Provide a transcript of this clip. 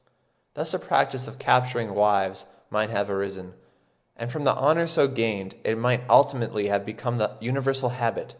Thus the practice of capturing wives might have arisen; and from the honour so gained it might ultimately have become the universal habit.